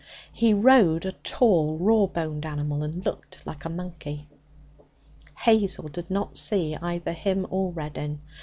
He rode a tall raw boned animal, and looked like a monkey. Hazel did not see either him or Reddin.